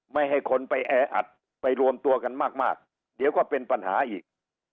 ไม่ให้คนไปแออัดไปรวมตัวกันมากเดี๋ยวก็เป็นปัญหาอีก